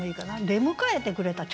「出迎えてくれた」